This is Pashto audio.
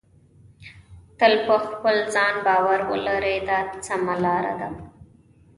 تل په خپل ځان باور ولرئ دا سمه لار ده.